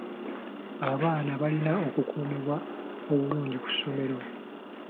Abaana balina okukuumibwa obulungi ku ssomero.